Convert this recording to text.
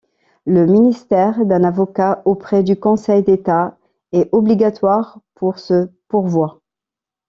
Le ministère d'un avocat auprès du Conseil d'État est obligatoire pour ce pourvoi.